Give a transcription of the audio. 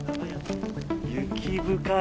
雪深い。